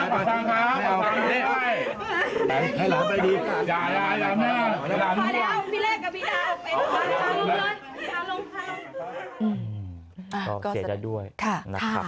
ก็เสียใจด้วยนะครับ